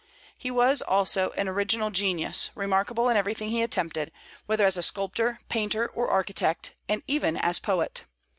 He was also an original genius, remarkable in everything he attempted, whether as sculptor, painter, or architect, and even as poet.